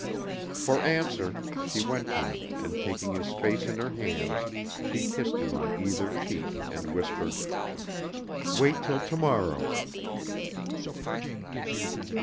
For answer she went to him and taking his face in her hands, she kissed him on either cheek and whispered: "Wait till to morrow!"